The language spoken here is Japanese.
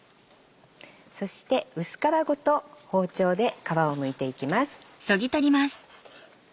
そして薄皮ごと包丁で皮をむいていきます。